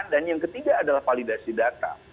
dan yang ketiga adalah validasi data